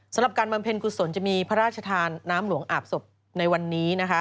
สำหรับการบำเพ็ญกุศลจะมีพระราชทานน้ำหลวงอาบศพในวันนี้นะคะ